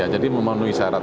jadi memenuhi syarat